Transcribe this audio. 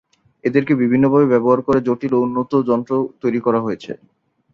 এদেরকে বিভিন্নভাবে ব্যবহার করে জটিল ও উন্নত যন্ত্র তৈরি করা হয়েছে।